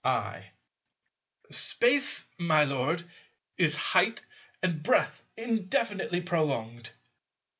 I. Space, my Lord, is height and breadth indefinitely prolonged.